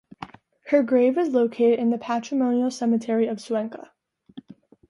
Her grave is located in the Patrimonial Cemetery of Cuenca.